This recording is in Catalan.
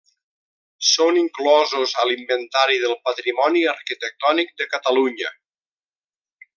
Són inclosos a l'Inventari del Patrimoni Arquitectònic de Catalunya.